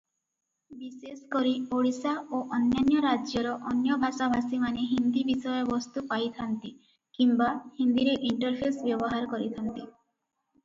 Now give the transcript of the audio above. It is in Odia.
ବିଶେଷକରି ଓଡ଼ିଶା ଓ ଅନ୍ୟାନ୍ୟ ରାଜ୍ୟର ଅନ୍ୟ ଭାଷାଭାଷୀମାନେ ହିନ୍ଦୀ ବିଷୟବସ୍ତୁ ପାଇଥାନ୍ତି କିମ୍ବା ହିନ୍ଦୀରେ ଇଣ୍ଟରଫେସ୍ ବ୍ୟବହାର କରିଥାନ୍ତି ।